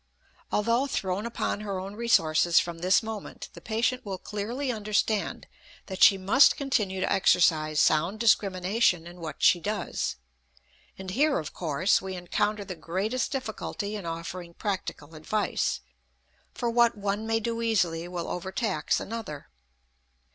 Although thrown upon her own resources from this moment, the patient will clearly understand that she must continue to exercise sound discrimination in what she does. And here, of course, we encounter the greatest difficulty in offering practical advice, for what one may do easily will overtax another.